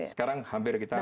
sekarang hampir kita